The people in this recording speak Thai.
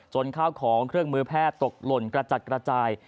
ข้าวของเครื่องมือแพทย์ตกหล่นกระจัดกระจาย